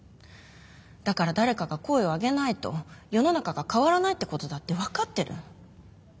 だから誰かが声を上げないと世の中が変わらないってことだって分かってる。